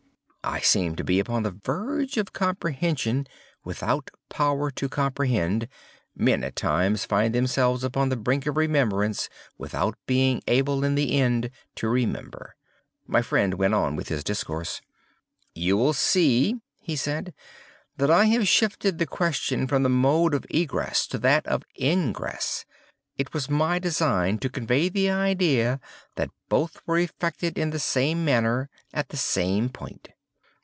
I seemed to be upon the verge of comprehension without power to comprehend—as men, at times, find themselves upon the brink of remembrance without being able, in the end, to remember. My friend went on with his discourse. "You will see," he said, "that I have shifted the question from the mode of egress to that of ingress. It was my design to convey the idea that both were effected in the same manner, at the same point.